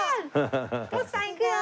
徳さんいくよ。